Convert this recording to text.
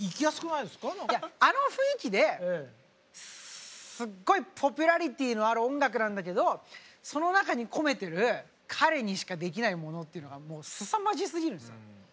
いやあの雰囲気ですごいポピュラリティーのある音楽なんだけどその中に込めてる彼にしかできないものっていうのがすさまじすぎるんですよ。